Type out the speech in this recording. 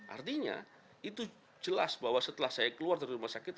artinya itu jelas bahwa setelah saya keluar dari rumah sakit